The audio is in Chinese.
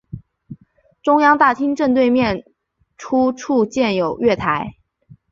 中央大厅正面对出处建有月台。